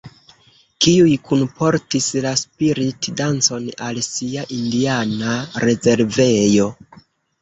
Tiuj kunportis la spirit-dancon al sia indiana rezervejo.